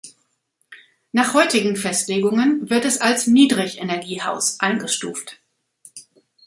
Nach heutigen Festlegungen wird es als „Niedrig-Energiehaus“ eingestuft.